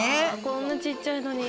こんなちっちゃいのに。